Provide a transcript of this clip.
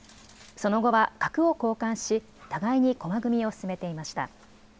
その後は角を交換し互いに駒組みを進めていました。